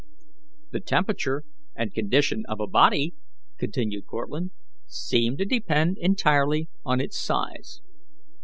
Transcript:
"The temperature and condition of a body," continued Cortlandt, "seem to depend entirely on its size.